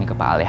siapa tadi luoh